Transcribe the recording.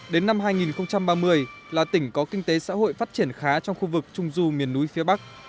đến năm hai nghìn ba mươi là tỉnh có kinh tế xã hội phát triển khá trong khu vực trung du miền núi phía bắc